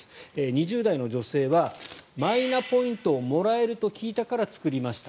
２０代の女性はマイナポイントをもらえると聞いたから作りました